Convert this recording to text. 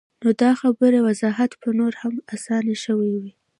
نو د خبرې وضاحت به نور هم اسان شوے وۀ -